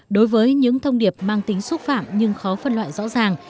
đối với những thông điệp mang tính xúc phạm nhưng khó phân loại rõ ràng